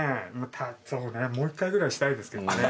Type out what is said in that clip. そうねもう一回ぐらいしたいですけどね